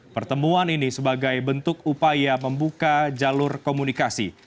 pertemuan ini sebagai bentuk upaya membuka jalur komunikasi